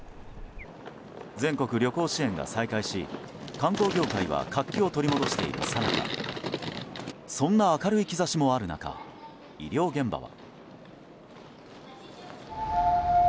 全国旅行支援が再開し観光業界は活気を取り戻していますがそんな明るい兆しの中医療現場は。